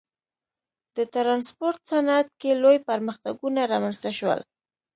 د ټرانسپورت صنعت کې لوی پرمختګونه رامنځته شول.